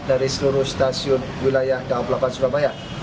dari seluruh stasiun wilayah daob delapan surabaya